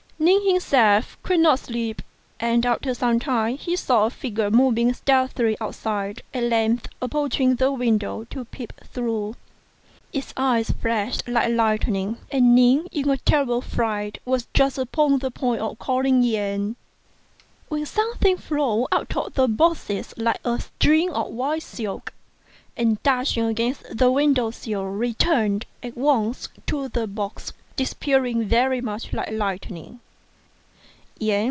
Ning himself could not sleep ; and after some time he saw a figure moving stealthily outside, at length approaching the window to peep through. It's eyes flashed like lightning, and Ning in a terrible fright was just upon the point of calling Yen, when something flew out of one of the boxes like a strip of white silk, and dashing against the window sill returned at once to the box, disappearing very much like lightning.